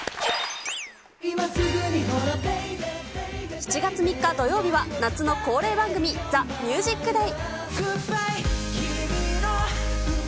７月３日土曜日は、夏の恒例番組、ＴＨＥＭＵＳＩＣＤＡＹ。